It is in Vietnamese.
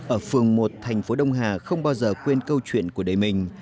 ở phường một thành phố đông hà không bao giờ quên câu chuyện của đời mình